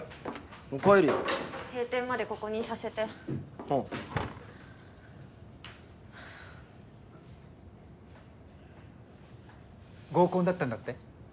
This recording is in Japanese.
おかえり閉店までここにいさせておう合コンだったんだって？